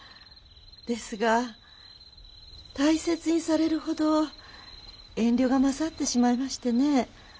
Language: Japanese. ですが大切にされるほど遠慮がまさってしまいましてね。